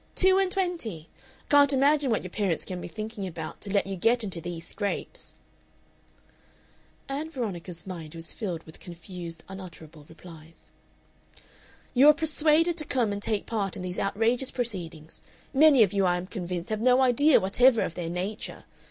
Two and twenty! I can't imagine what your parents can be thinking about to let you get into these scrapes." Ann Veronica's mind was filled with confused unutterable replies. "You are persuaded to come and take part in these outrageous proceedings many of you, I am convinced, have no idea whatever of their nature.